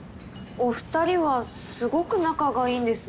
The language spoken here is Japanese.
お二人はすごく仲がいいんですね。